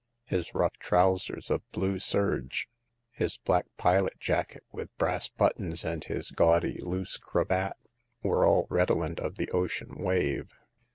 His rough trousers of blue serge^ his black pilot 88 Hagar of the Pawn Shop. jacket with brass buttons, and his gaudy loose cravat were all redolent of the ocean wave.